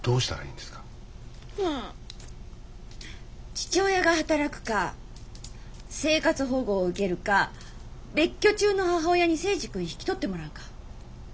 父親が働くか生活保護を受けるか別居中の母親に征二君引き取ってもらうか。